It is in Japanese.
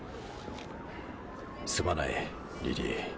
すまないリリー。